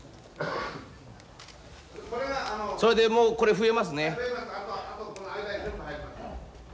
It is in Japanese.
それでもうこれ増えますね。